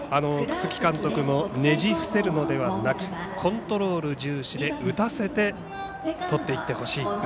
楠城監督もねじ伏せるのではなくコントロール重視で打たせてとっていってほしい。